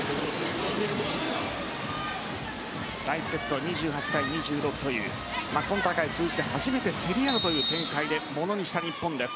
第１セットは２８対２６という今大会通じて初めて競り合うという展開でものにした日本です。